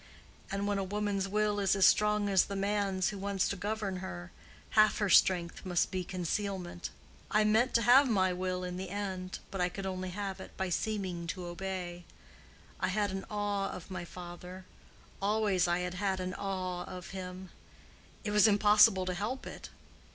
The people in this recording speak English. And when a woman's will is as strong as the man's who wants to govern her, half her strength must be concealment. I meant to have my will in the end, but I could only have it by seeming to obey. I had an awe of my father—always I had had an awe of him: it was impossible to help it.